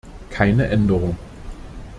Keine Änderung.